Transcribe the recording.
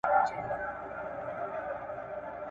ایا فضا کوم پای لري؟